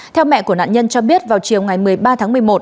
theo mẹ của nạn nhân cho biết vào chiều ngày một mươi ba tháng một mươi một